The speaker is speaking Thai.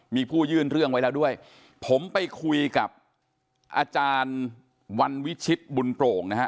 มีผู้ยื่นเรื่องไว้แล้วด้วยผมไปคุยกับอาจารย์วันวิชิตบุญโปร่งนะฮะ